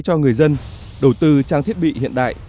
cho người dân đầu tư trang thiết bị hiện đại